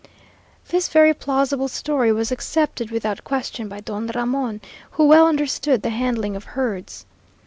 This very plausible story was accepted without question by Don Ramon, who well understood the handling of herds.